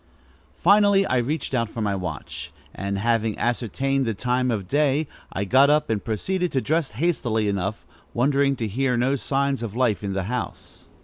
Finally I reached out for my watch, and, having ascertained the time of day, I got up and proceeded to dress hastily enough, wondering to hear no signs of life in the house.